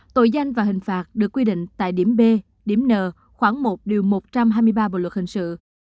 tội danh và hình phạt được quy định tại điểm b điểm n khoảng một điều một trăm hai mươi ba bộ luật hình sự